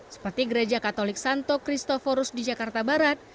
seperti gereja katolik santo kristoforus di jakarta barat